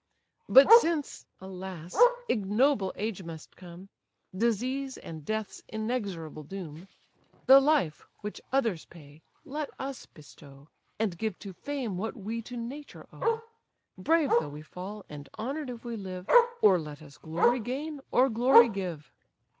But since, alas! ignoble age must come, Disease, and death's inexorable doom, The life, which others pay, let us bestow, And give to fame what we to nature owe; Brave though we fall, and honour'd if we live, Or let us glory gain, or glory give!"